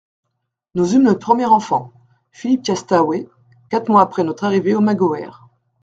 Nous eûmes notre premier enfant ; Philippe Costaouët, quatre mois après notre arrivée au Magoër.